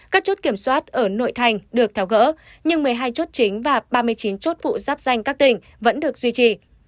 các chốt kiểm soát ở nội thành được tháo gỡ nhưng một mươi hai chốt chính và ba mươi chín chốt phụ ráp danh các tỉnh vẫn được duy trì